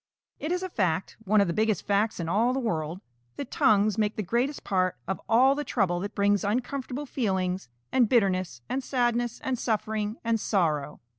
_ It is a fact, one of the biggest facts in all the world, that tongues make the greatest part of all the trouble that brings uncomfortable feelings, and bitterness and sadness and suffering and sorrow.